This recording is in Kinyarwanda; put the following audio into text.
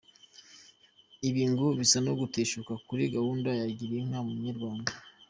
Ibi ngo bisa no guteshuka kuri gahunda ya Gira Inka Munyarwanda.